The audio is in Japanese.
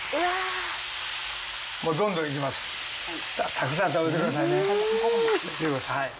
たくさん食べてくださいね。